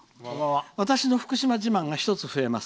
私の福島自慢が１つ増えます。